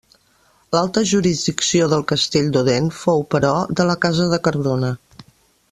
L'alta jurisdicció del castell d'Odèn fou, però, de la casa de Cardona.